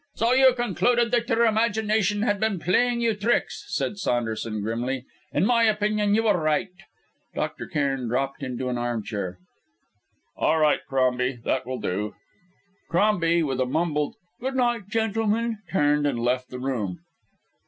"So you concluded that your imagination had been playing you tricks," said Saunderson grimly. "In my opinion you were right." Dr. Cairn dropped into an armchair. "All right, Crombie; that will do." Crombie, with a mumbled "Good night, gentlemen," turned and left the room.